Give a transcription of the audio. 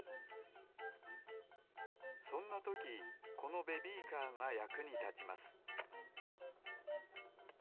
そんなときこのベビーカーがやくにたちます